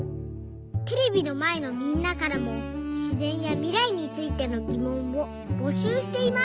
テレビのまえのみんなからもしぜんやみらいについてのぎもんをぼしゅうしています！